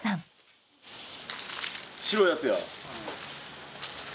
白いやつや。